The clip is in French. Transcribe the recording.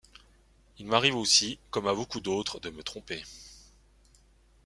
Il m'arrive aussi, comme à beaucoup d'autres, de me tromper.